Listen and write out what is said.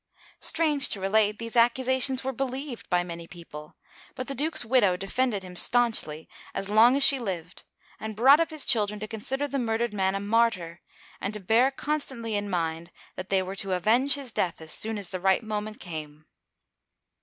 Strange to relate, these accusations were believed by many people, but the duke's widow defended him stanchly as long as she lived, and brought up his children to con sider the murdered man a martyr, and to bear constantly in mind that they were to avenge his death as soon as the right moment came.